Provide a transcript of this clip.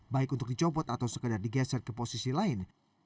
baik untuk dicopot atau sekedar digeser ke posisi lain